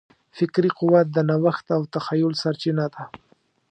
فکري قوت د نوښت او تخیل سرچینه ده.